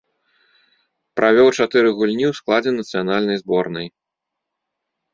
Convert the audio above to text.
Правёў чатыры гульні ў складзе нацыянальнай зборнай.